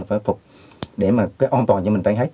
phải phục để mà cái an toàn cho mình trên hết